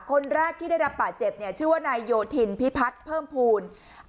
คนแรกที่ได้รับบาดเจ็บเนี่ยชื่อว่านายโยธินพิพัฒน์เพิ่มภูมิ